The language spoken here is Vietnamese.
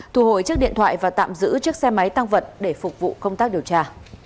thu hồi chiếc điện thoại và tạm giữ chiếc xe máy tăng vật để phục vụ công tác điều tra